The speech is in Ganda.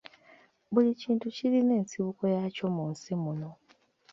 Buli kintu kirina ensibuko yakyo mu nsi muno.